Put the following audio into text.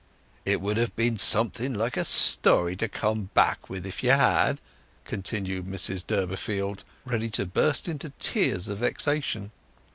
"It would have been something like a story to come back with, if you had!" continued Mrs Durbeyfield, ready to burst into tears of vexation.